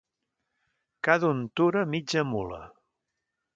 Cada untura, mitja mula.